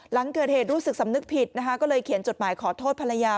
หลังเกิดเหตุรู้สึกสำนึกผิดนะคะก็เลยเขียนจดหมายขอโทษภรรยา